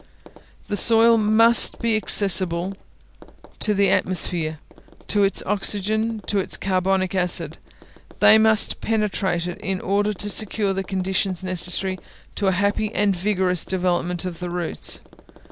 The soil must be accessible to the atmosphere, to its oxygen, to its carbonic acid; these must penetrate it, in order to secure the conditions necessary to a happy and vigorous development of the roots.